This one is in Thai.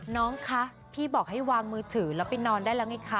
น้องคะพี่บอกให้วางมือถือแล้วไปนอนได้แล้วไงคะ